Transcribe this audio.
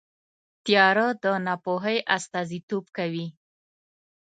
تیاره د ناپوهۍ استازیتوب کوي.